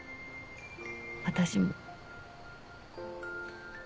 私も。